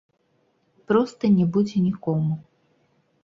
Проста не будзе нікому.